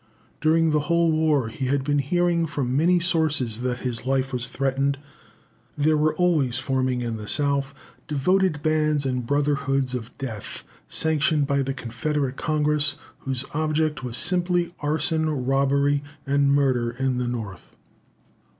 During the whole war he had been hearing from many sources that his life was threatened. There were always forming, in the South, Devoted Bands and Brotherhoods of Death, sanctioned by the Confederate Congress, whose object was simply arson, robbery, and murder in the North.